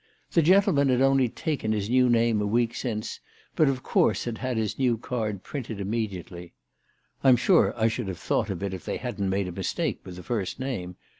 The gentleman had only taken his new name a week since, but of course had had his new card printed immediately. " I'm sure I should have thought of it if they hadn't made a mistake with the first name.